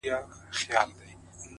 څه ژوند كولو ته مي پريږده كنه ـ